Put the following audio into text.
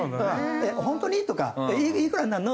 「ホントに？」とか「いくらになるの？」とか。